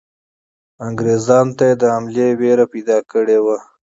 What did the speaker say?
انګریزانو ته یې د حملې وېره پیدا کړې وه.